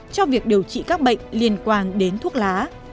trong việc điều trị các bệnh liên quan đến thuốc lá